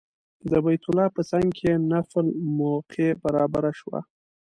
د بیت الله په څنګ کې نفل موقع برابره شوه.